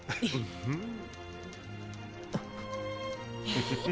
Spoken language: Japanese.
フフフ。